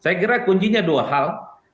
saya kira kuncinya dua hal